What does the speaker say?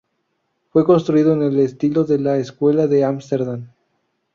Fue construido en el estilo de la Escuela de Ámsterdam.